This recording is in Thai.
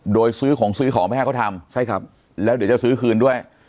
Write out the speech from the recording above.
โดยซื้อของซื้อของไม่ให้เขาทำใช่ครับแล้วเดี๋ยวจะซื้อคืนด้วย